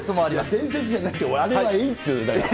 伝説じゃないって、あれはいいっていうの、だから。